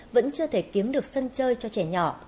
vẫn chưa thể kiếm được sân chơi cho trẻ nhỏ